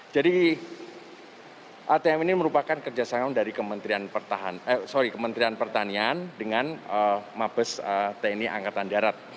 jadi atm ini merupakan kerjasama dari kementerian pertanian dengan mabes tni angkatan darat